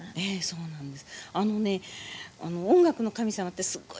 そうなんです。